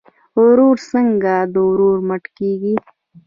ورور څنګه د ورور مټ کیږي؟